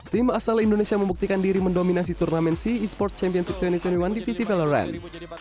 tim asal indonesia membuktikan diri mendominasi turnamen sea esports championship dua ribu dua puluh satu di visi valorant